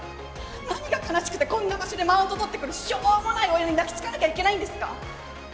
何が悲しくてこんな場所でマウント取ってくるしょうもない親に泣きつかなきゃいけないんですか？